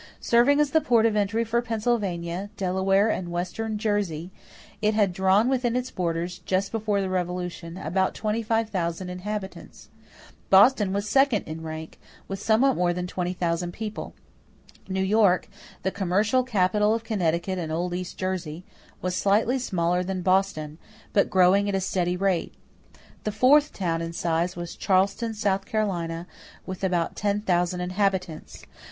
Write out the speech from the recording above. Serving as the port of entry for Pennsylvania, Delaware, and western Jersey, it had drawn within its borders, just before the Revolution, about 25,000 inhabitants. Boston was second in rank, with somewhat more than 20,000 people. New York, the "commercial capital of Connecticut and old East Jersey," was slightly smaller than Boston, but growing at a steady rate. The fourth town in size was Charleston, South Carolina, with about 10,000 inhabitants.